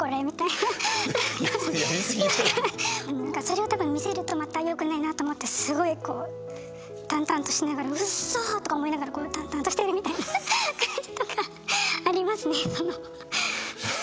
なんかそれを多分見せるとまたよくないなと思ってすごいこう淡々としながら「うっそ」とか思いながら淡々としてるみたいな感じとかありますねその。